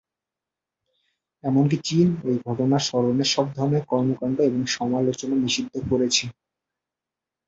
এমনকি চীন ওই ঘটনা স্মরণে সব ধরনের কর্মকাণ্ড এবং সমালোচনা নিষিদ্ধ করেছে।